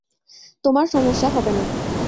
তোমার সমস্যা হবে না।